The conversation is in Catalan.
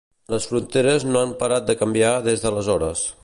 Les fronteres no han parat de canviar des d'aleshores.